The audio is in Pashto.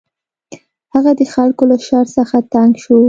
هغه د خلکو له شر څخه تنګ شو.